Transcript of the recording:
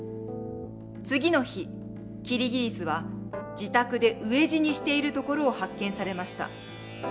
次の日キリギリスは自宅で飢え死にしているところを発見されました。